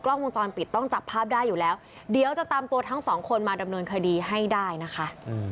กล้องวงจรปิดต้องจับภาพได้อยู่แล้วเดี๋ยวจะตามตัวทั้งสองคนมาดำเนินคดีให้ได้นะคะ